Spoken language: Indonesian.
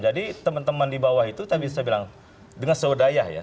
jadi teman teman di bawah itu tapi saya bilang dengan saudaya ya